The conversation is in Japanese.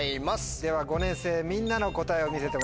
では５年生みんなの答えを見せてもらいましょう。